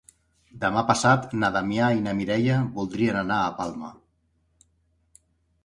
Demà passat na Damià i na Mireia voldrien anar a Palma.